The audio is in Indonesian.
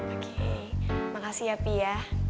oke makasih ya pi ya